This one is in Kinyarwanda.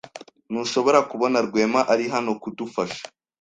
Ntushobora kubona Rwema ari hano kudufasha?